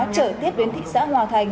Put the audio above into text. trở tiếp đến thị xã hòa thành